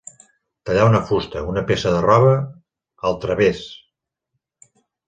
Tallar una fusta, una peça de roba, al través.